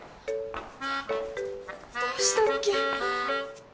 どうしたっけ？